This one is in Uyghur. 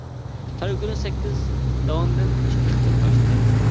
ھەر كۈنى سەككىز داۋاندىن ئىككى قېتىم ئاشتى.